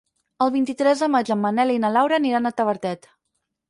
El vint-i-tres de maig en Manel i na Laura aniran a Tavertet.